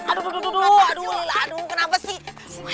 aduh aduh aduh lila aduh kenapa sih